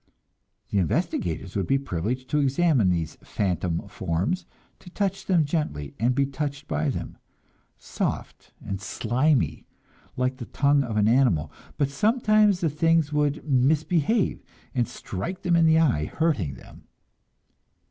The investigators would be privileged to examine these "phantom" forms, to touch them gently, and be touched by them soft and slimy, like the tongue of an animal; but sometimes the things would misbehave, and strike them in the eye, hurting them.